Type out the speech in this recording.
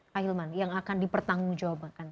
pak hilman yang akan dipertanggung jawabkan